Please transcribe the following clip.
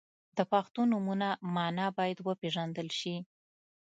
• د پښتو نومونو مانا باید وپیژندل شي.